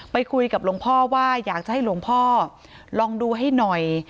ไปคุยกับหลวงพ่อว่าอยากจะให้หลวงพ่อลองดูให้หน่อย